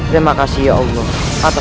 tidak ada apa apa